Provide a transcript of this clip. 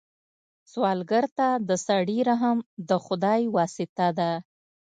سوالګر ته د سړي رحم د خدای واسطه ده